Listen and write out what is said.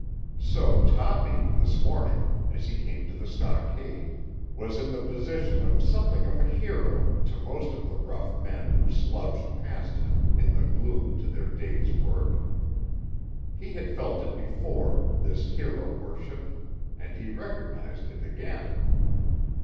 So Toppy, this morning, as he came to the stockade, was in the position of something of a hero to most of the rough men who slouched past him in the gloom to their day's work. He had felt it before, this hero worship, and he recognised it again.